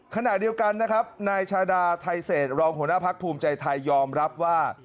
ขณะเดียวกันนะครับนายชาดาไทเศษรองหัวหน้าพักภูมิใจไทยยอมรับว่า